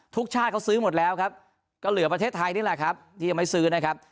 ชาติเขาซื้อหมดแล้วครับก็เหลือประเทศไทยนี่แหละครับที่ยังไม่ซื้อนะครับ